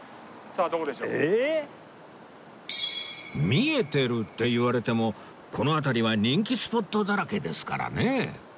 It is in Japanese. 見えてるって言われてもこの辺りは人気スポットだらけですからね